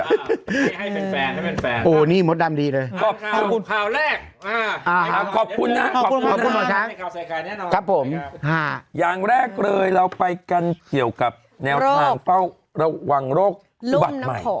ให้เป็นแฟนครับขอบคุณขอบคุณหมอช้างครับผมอย่างแรกเลยเราไปกันเกี่ยวกับแนวทางเป้าระวังโรคอุบัติใหม่